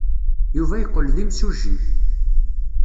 Yuba yeqqel d imsujji.